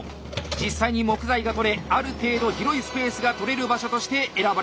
実際に木材が採れある程度広いスペースが取れる場所として選ばれました。